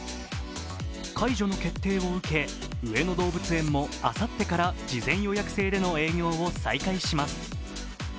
解除の決定を受け、上野動物園もあさってから事前予約制での営業を再開します。